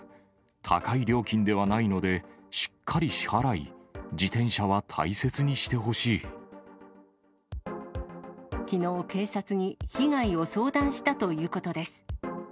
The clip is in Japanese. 高い料金ではないので、しっかり支払い、自転車は大切にしてほしきのう、警察に被害を相談したということです。